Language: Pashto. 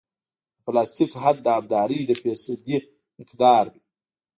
د پلاستیک حد د ابدارۍ د فیصدي مقدار دی